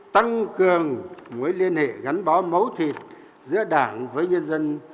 tăng cường mối liên hệ gắn bó máu thịt giữa đảng với nhân dân